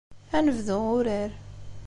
Ad nebdu urar.